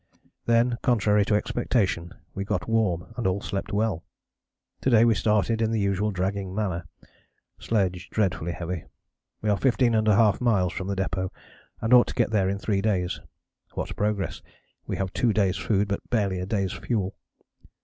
Then, contrary to expectation, we got warm and all slept well. To day we started in the usual dragging manner. Sledge dreadfully heavy. We are 15½ miles from the depôt and ought to get there in three days. What progress! We have two days' food but barely a day's fuel.